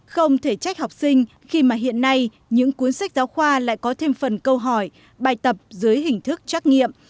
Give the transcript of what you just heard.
không thể trách học sinh khi mà hiện nay những cuốn sách giáo khoa lại có thêm phần câu hỏi bài tập dưới hình thức trắc nghiệm